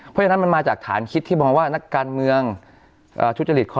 เพราะฉะนั้นมันมาจากฐานคิดที่มองว่านักการเมืองทุจริตข้อ